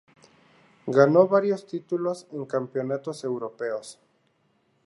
Ganó varios títulos en campeonatos europeos.